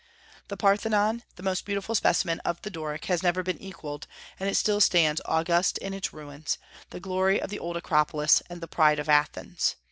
The Parthenon, the most beautiful specimen of the Doric, has never been equalled, and it still stands august in its ruins, the glory of the old Acropolis and the pride of Athens.